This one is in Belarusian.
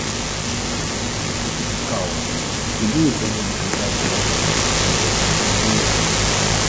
Цікава, ці будуць яны выклікаць у нашых нашчадкаў такую ж любоў і гонар?